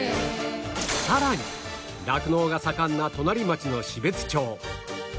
さらに酪農が盛んな隣町の標津町